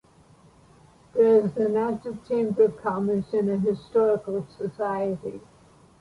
There is an active Chamber of Commerce and a historical society.